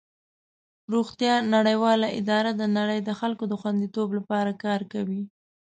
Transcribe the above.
روغتیا نړیواله اداره د نړۍ د خلکو د خوندیتوب لپاره کار کوي.